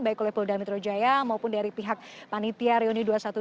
baik oleh polda metro jaya maupun dari pihak panitia reuni dua ratus dua belas